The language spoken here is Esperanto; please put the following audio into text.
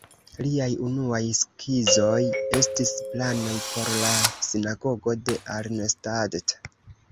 Liaj unuaj skizoj estis planoj por la Sinagogo de Arnstadt.